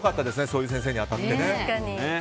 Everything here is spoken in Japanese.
そういう先生に当たってね。